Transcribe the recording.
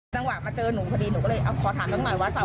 สังหวะมาเจอหนูพอดีหนูก็เลยอ้าวขอถามหนึ่งหน่อยว่า